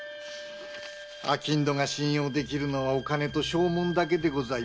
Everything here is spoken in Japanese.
商人が信用できるのはお金と証文だけでございます。